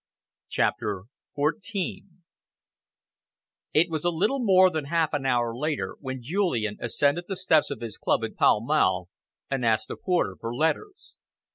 CHAPTER XIV It was a little more than half an hour later when Julian ascended the steps of his club in Pall Mall and asked the hall porter for letters.